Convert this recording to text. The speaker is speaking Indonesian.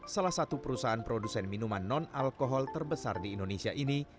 salah satu perusahaan produsen minuman non alkohol terbesar di indonesia ini